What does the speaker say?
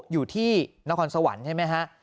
อยู่ที่นครสวรรค์ใช่ไหมฮะ